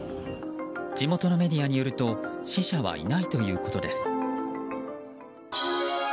地元のメディアによると死者はいないということです。